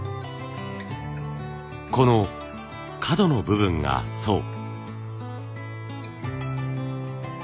この角の部分がそう。